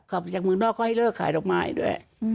จากเมืองนอกเขาให้เลิกขายดอกไม้ด้วย